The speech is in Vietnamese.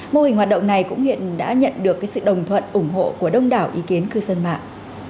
mô hình hoạt động này cũng hiện đã nhận được sự đồng thuận ủng hộ của đông đảo ý kiến cư dân mạng